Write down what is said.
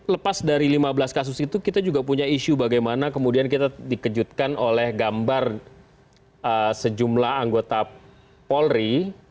lepas dari lima belas kasus itu kita juga punya isu bagaimana kemudian kita dikejutkan oleh gambar sejumlah anggota polri